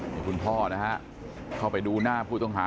นี่คุณพ่อนะฮะเข้าไปดูหน้าผู้ต้องหา